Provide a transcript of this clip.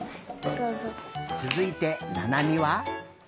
つづいてななみは？